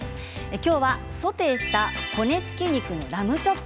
今日はソテーした骨付き肉のラムチョップ。